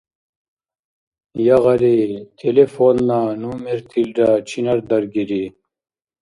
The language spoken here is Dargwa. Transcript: Ягъари, телефонна номертилра чинар даргири?